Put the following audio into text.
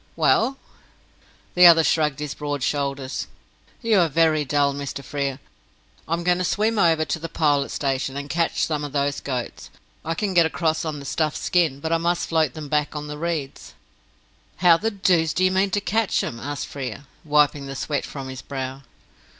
"Well?" The other shrugged his broad shoulders. "You are very dull, Mr. Frere. I am going to swim over to the Pilot Station, and catch some of those goats. I can get across on the stuffed skin, but I must float them back on the reeds." "How the doose do you mean to catch 'em?" asked Frere, wiping the sweat from his brow.